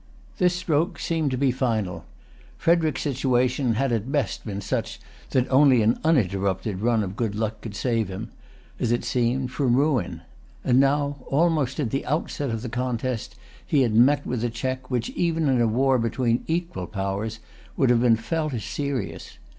This stroke seemed to be final. Frederic's situation had at best been such that only an uninterrupted run of good luck could save him, as it seemed, from ruin. And now, almost in the outset of the contest, he had met with a check which, even in a war between equal powers, would have been felt as serious.